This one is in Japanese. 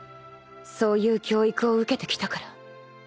そういう教育を受けてきたから